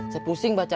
saya pusing sih